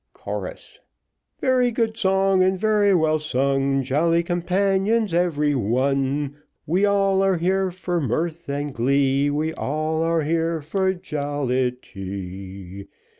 Chorus Very good song, and very well sung, Jolly companions every one; We all are here for mirth and glee, We all are here for jollity.